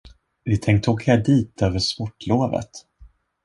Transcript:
Vi tänkte åka dit över sportlovet.